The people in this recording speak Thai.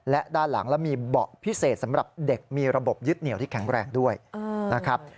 และด้านหลังแล้วมีเบาะพิเศษสำหรับเด็กมีระบบยึดเหนียวที่แข็งแรงด้วยนะครับ